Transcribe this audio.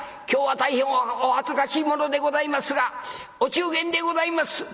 今日は大変お恥ずかしいものでございますがお中元でございます。